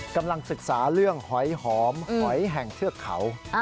กำลังศึกษาเรื่องหอยหอมหอยแห่งเทือกเขา